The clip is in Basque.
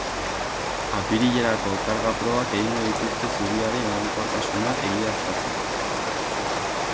Apirilerako, karga probak egingo dituzte zubiaren egonkortasuna egiaztatzeko.